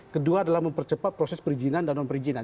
kedua adalah mempercepat proses perizinan dan non perizinan